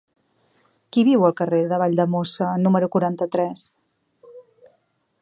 Qui viu al carrer de Valldemossa número quaranta-tres?